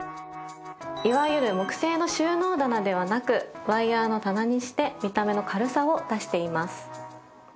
いわゆる木製の収納棚ではなくワイヤーの棚にして見た目の軽さを出しています。